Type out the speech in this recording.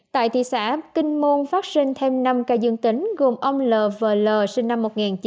tại thị xã kinh môn phát sinh thêm năm ca dương tính gồm ông l v l sinh năm một nghìn chín trăm sáu mươi hai